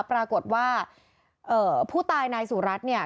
ปรากฏว่าผู้ตายนายสุรัสตร์